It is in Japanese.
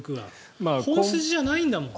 本筋じゃないんだもん。